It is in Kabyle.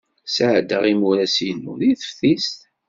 Sɛeddaɣ imuras-inu deg teftist.